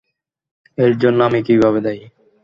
এর জন্য আমি কীভাবে দায়ী?